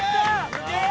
すげえ！